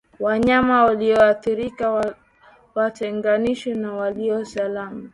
Wanyama walioathirika watenganishwe na walio salama